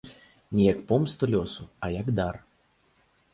Не як помсту лёсу, а як дар.